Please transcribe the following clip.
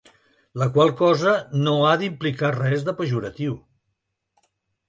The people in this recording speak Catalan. La qual cosa no ha d’implicar res de pejoratiu.